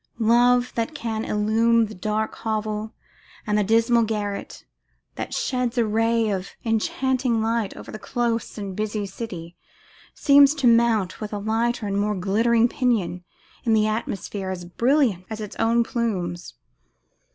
Love, that can illumine the dark hovel and the dismal garret, that sheds a ray of enchanting light over the close and busy city, seems to mount with a lighter and more glittering pinion in an atmosphere as brilliant as its own plumes.